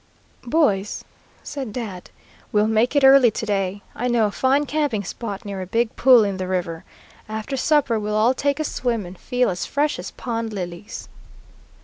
"Boys," said Dad, "we'll make it early to day. I know a fine camping spot near a big pool in the river. After supper we'll all take a swim, and feel as fresh as pond lilies."